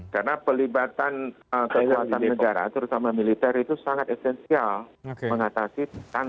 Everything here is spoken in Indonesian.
karena pelibatan kekuatan negara terutama militer itu sangat esensial mengatasi